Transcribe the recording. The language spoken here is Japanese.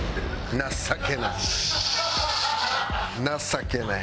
情けない。